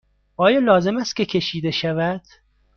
آیا لازم است که کشیده شود؟